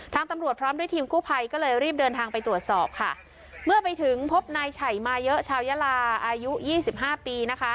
ตำรวจพร้อมด้วยทีมกู้ภัยก็เลยรีบเดินทางไปตรวจสอบค่ะเมื่อไปถึงพบนายไฉมาเยอะชาวยาลาอายุยี่สิบห้าปีนะคะ